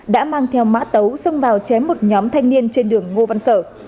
đã mang theo mã tấu xông vào chém một nhóm thanh niên trên đường ngô văn sở